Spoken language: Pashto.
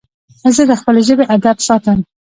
زه د خپلي ژبي ادب ساتم.